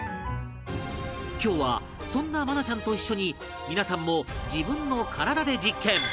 今日はそんな愛菜ちゃんと一緒に皆さんも自分の体で実験！